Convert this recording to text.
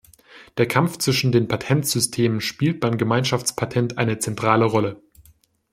Der Kampf zwischen den Patentsystemen spielt beim Gemeinschaftspatent eine zentrale Rolle.